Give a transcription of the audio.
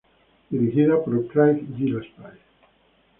Dirigida por Craig Gillespie.